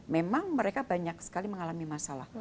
memang mereka banyak sekali mengalami masalah